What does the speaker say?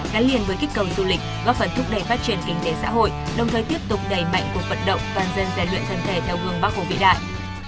gắn liền với kích cầu du lịch góp phần thúc đẩy phát triển kinh tế xã hội đồng thời tiếp tục đẩy mạnh cuộc vận động toàn dân gian luyện thân thể theo gương bắc hồ vĩ đại